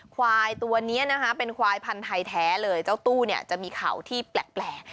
ควายตัวนี้นะคะเป็นควายพันธุ์ไทยแท้เลยเจ้าตู้เนี่ยจะมีเข่าที่แปลก